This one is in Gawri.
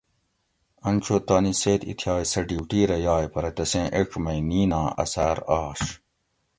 ان چو تانی سیت ایتھیائ سہ ڈیوٹی رہ یائ پرہ تسیں ایڄ مئ نیناں اثار آش